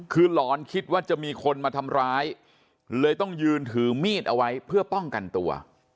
คือหลอนคิดว่าจะมีคนมาทำร้ายเลยต้องยืนถือมีดเอาไว้เพื่อป้องกันตัว